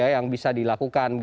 yang bisa dilakukan